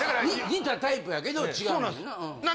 似たタイプやけど違うねんな？